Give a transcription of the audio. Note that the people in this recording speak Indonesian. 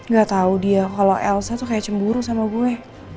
gak tau dia kalau elsa tuh kayak cemburu sama gue